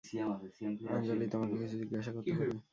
আঞ্জলি তোমাকে কিছু জিজ্ঞাসা করতে পারি?